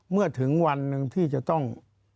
เมื่อถึงวันหนึ่งที่จะต้อง